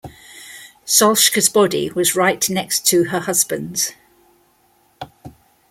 Solska's body was right next to her husband's.